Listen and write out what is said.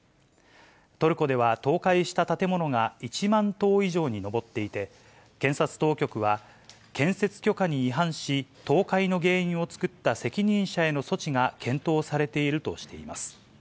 トルコでは倒壊した建物が１万棟以上に上っていて、検察当局は建設許可に違反し、倒壊の原因を作った責任者への措置が検討されているとしています。